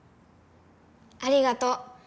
ありがとう。